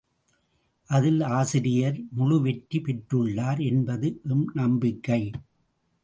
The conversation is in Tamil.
அதில் ஆசிரியர் முழுவெற்றி பெற்றுள்ளார் என்பது எம் நம்பிக்கை.